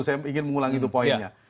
saya ingin mengulangi itu poinnya